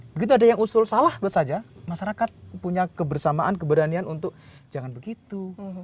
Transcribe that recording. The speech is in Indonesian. begitu ada yang usul salah tentu saja masyarakat punya kebersamaan keberanian untuk jangan begitu